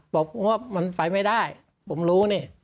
บอกว่ามันไปไม่ได้ผมรู้นี่